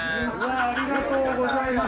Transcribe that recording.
ありがとうございます！